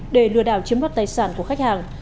để lừa đảo chiếm đoạt tài sản của khách hàng